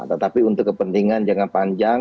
tetapi untuk kepentingan jangka panjang